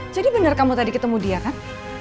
jadi benar kamu tadi ketemu dia kan